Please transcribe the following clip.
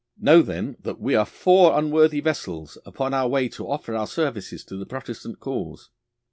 'Know then that we are four unworthy vessels upon our way to offer our services to the Protestant cause.